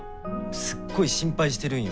すっごい心配してるんよ